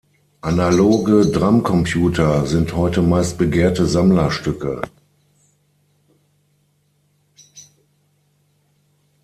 Analoge Drumcomputer sind heute meist begehrte Sammlerstücke.